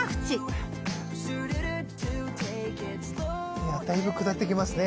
いやだいぶ下ってきますね。